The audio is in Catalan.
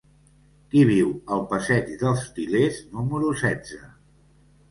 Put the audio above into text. Qui viu al passeig dels Til·lers número setze?